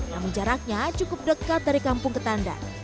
namun jaraknya cukup dekat dari kampung ketandan